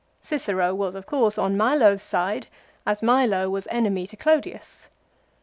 2 Cicero was of course on Milo's side as Milo was enemy to Clodius.